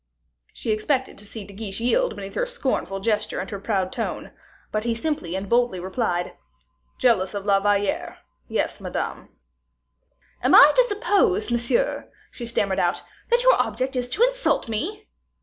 She expected to see De Guiche yield beneath her scornful gesture and her proud tone; but he simply and boldly replied, "Jealous of La Valliere; yes, Madame." "Am I to suppose, monsieur," she stammered out, "that your object is to insult me?"